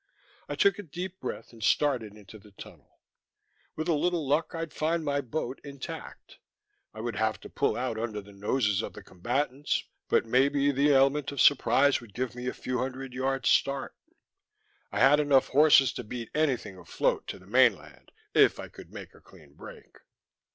I took a deep breath and started into the tunnel. With a little luck I'd find my boat intact. I would have to pull out under the noses of the combatants, but maybe the element of surprise would give me a few hundred yards' start. I had enough horses to beat anything afloat to the mainland if I could make a clean break.